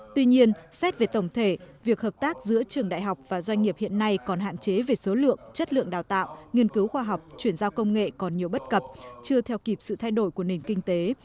tuy nhiên xét về tổng thể việc hợp tác giữa trường đại học và doanh nghiệp hiện nay còn hạn chế về số lượng chất lượng đào tạo nghiên cứu khoa học chuyển giao công nghệ còn nhiều bất cập chưa theo kịp sự thay đổi của nền kinh tế